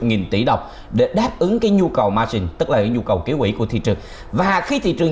nghìn tỷ đồng để đáp ứng cái nhu cầu margin tức là cái nhu cầu ký quỷ của thị trường và khi thị trường